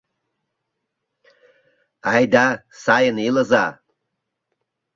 Айда сайын илыза!